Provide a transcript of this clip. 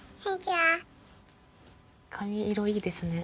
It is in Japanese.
髪色いいですね。